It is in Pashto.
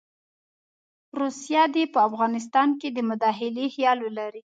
روسیه دې په افغانستان کې د مداخلې خیال ولري.